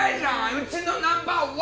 うちのナンバー１！